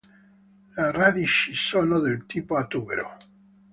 Le radici sono del tipo a tubero.